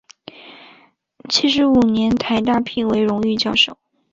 七十五年台大聘为荣誉教授。